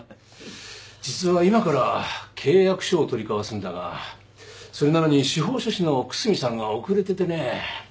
実は今から契約書を取り交わすんだがそれなのに司法書士の久住さんが遅れててね。